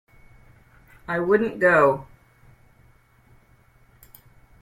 I wouldn't go.